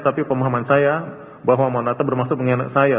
tapi pemahaman saya bahwa muhammad atta bermaksud mengenai saya